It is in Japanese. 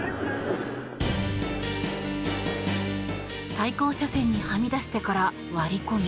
対向車線にはみ出してから割り込み。